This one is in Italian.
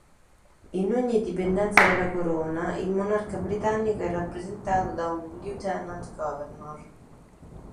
In ogni Dipendenza della Corona, il monarca britannico è rappresentato da un Lieutenant Governor.